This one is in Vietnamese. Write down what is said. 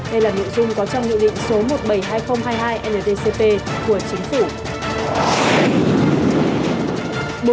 đây là nội dung có trong nghị định số một trăm bảy mươi hai nghìn hai mươi hai ndcp của chính phủ